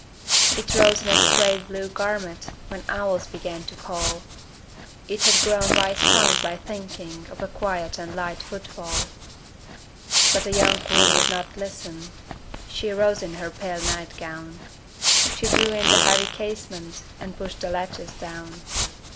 It rose in a straight blue garment, When owls began to call: It had grown wise tongued by thinking Of a quiet and light footfall; But the young queen would not listen; She rose in her pale night gown; She drew in the heavy casement And pushed the latches down.